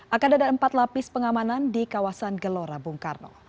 akan ada empat lapis pengamanan di kawasan gelora bung karno